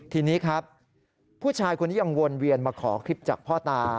ทีนี้ครับผู้ชายคนนี้ยังวนเวียนมาขอคลิปจากพ่อตา